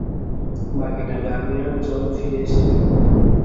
বাকি টাকা আমি আর জন ফিরে এসে দিব।